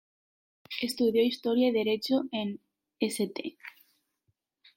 Estudió historia y derecho en St.